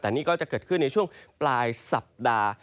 แต่นี่ก็จะเกิดขึ้นในช่วงปลายสัปดาห์